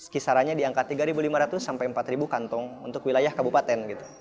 kisarannya di angka tiga lima ratus sampai empat kantong untuk wilayah kabupaten